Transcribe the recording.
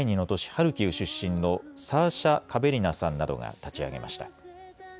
ハルキウ出身のサーシャ・カヴェリナさんなどが立ち上げました。